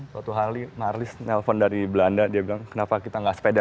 suatu hari marlis menelepon dari belanda dia bilang kenapa kita tidak naik sepeda